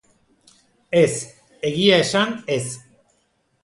Ez, egia esan, ez.